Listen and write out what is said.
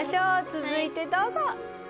続いてどうぞ！